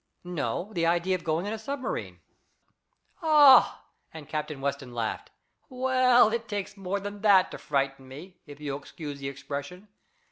"No, the idea of going in a submarine." "Oh," and Captain Weston laughed. "Well, it takes more than that to frighten me, if you'll excuse the expression.